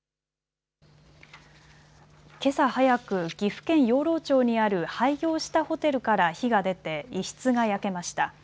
けさ早く、岐阜県養老町にある廃業したホテルから火が出て一室が焼けました。